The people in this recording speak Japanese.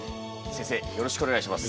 よろしくお願いします。